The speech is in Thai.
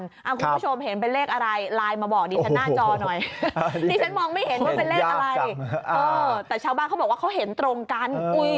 คุณผู้ชมเห็นเป็นเลขอะไรไลน์มาบอกดิฉันหน้าจอหน่อยดิฉันมองไม่เห็นว่าเป็นเลขอะไรเออแต่ชาวบ้านเขาบอกว่าเขาเห็นตรงกัน